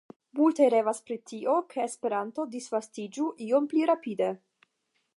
Multaj revas pri tio, ke Esperanto disvastiĝu iom pli rapide.